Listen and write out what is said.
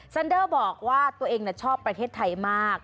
ซันเดอร์บอกว่าตัวเองชอบประเทศไทยมาก